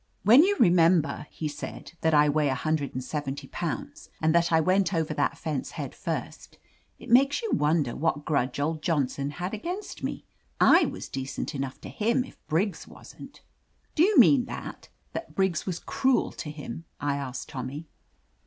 "When you remember," he said, "that I weigh a hundred and seventy pounds, and that I went over that fence head first, it makes you wonder what grudge old Johnson had against me. / was decent enough to him, if Briggs wasn't." "Do you mean that — ^that Briggs was cruel to him?" I asked Tommy.